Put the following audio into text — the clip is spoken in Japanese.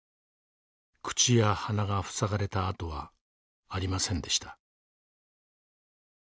口や鼻が塞がれた跡はありませんでした。